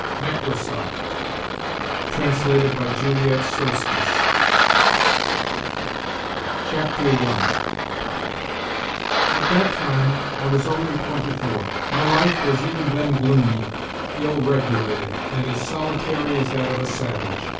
NEKRASSOV (trantlated by Juliet Soskice). I AT that time I was only twenty four. My life was even then gloomy, ill regulated, and as solitary as that of a savage.